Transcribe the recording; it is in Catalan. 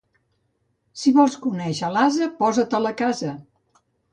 Si vols conèixer l'ase, posa-te'l a casa.